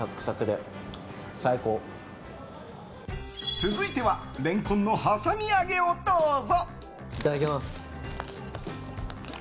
続いては蓮根のはさみ揚げをどうぞ。